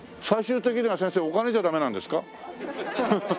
最終的には先生お金じゃダメなんですか？